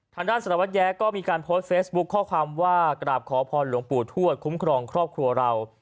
ทางด้านสารวัตรแย้ก็มีการโพสต์เฟซบุ๊คข้อความว่ากราบขอพรหลวงปู่ทวดคุ้มครองครอบครัวเรา